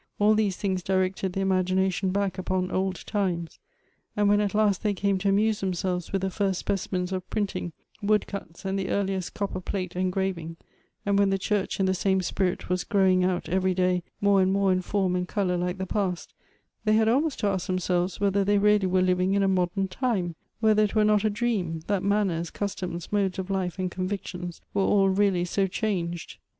All these things directed the imagination back upon old times ; and when at last they came to amuse themselves with the first specimens of printing, woodcuts, and the earliest copper plate engraving, and when the church, in the same spirit, was growing out, every day, more and more in form and color like the past, they had almost to ask themselves whether they really were living in a modem time, whether it were not a dream, that manners, customs, modes of life, and convictions were all really so changed.